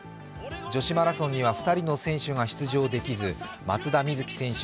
女子マラソンには２人の選手が出場できず松田瑞生選手